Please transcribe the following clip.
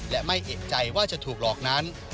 และไม่เอกใจว่าจะถูกหลอกนั้น